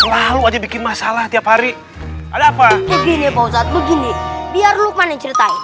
lalu aja bikin masalah tiap hari ada apa begini